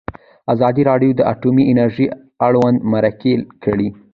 ازادي راډیو د اټومي انرژي اړوند مرکې کړي.